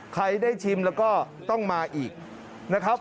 ใครได้ชิมแล้วก็ต้องมาอีกนะครับ